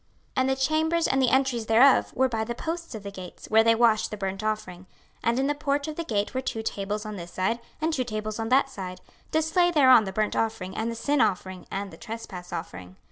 26:040:038 And the chambers and the entries thereof were by the posts of the gates, where they washed the burnt offering. 26:040:039 And in the porch of the gate were two tables on this side, and two tables on that side, to slay thereon the burnt offering and the sin offering and the trespass offering.